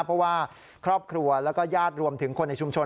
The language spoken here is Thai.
เพราะว่าครอบครัวแล้วก็ญาติรวมถึงคนในชุมชน